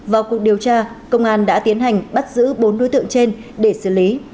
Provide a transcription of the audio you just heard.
vào cuộc điều tra công an đã tiến hành bắt giữ bốn đối tượng trên để xử lý